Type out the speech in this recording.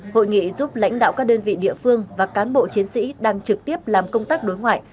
hội nghị giúp lãnh đạo các đơn vị địa phương và cán bộ chiến sĩ đang trực tiếp làm công tác đối ngoại